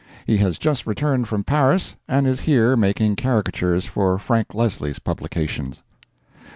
He has just returned from Paris, and is here making caricatures for Frank Leslie's publications.